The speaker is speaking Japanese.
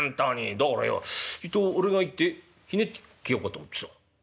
だからよちっと俺が行ってひねってきようかと思ってさ」。